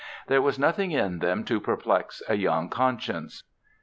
There was nothing in them to perplex a young conscience.